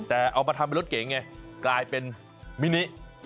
แต่เอามาทำเป็นรถเก่งไงกลายเป็นมินิ